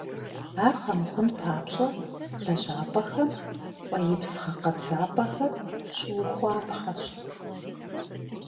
Ар къэмыхъун папщӏэ, лэжьапӏэхэм фӏеипс гъэкъэбзапӏэхэр щыухуапхъэщ.